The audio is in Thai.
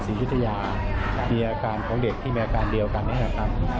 ยุธยามีอาการของเด็กที่มีอาการเดียวกันนี่แหละครับ